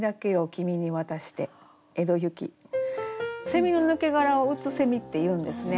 セミの抜け殻を「空蝉」っていうんですね。